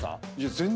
全然。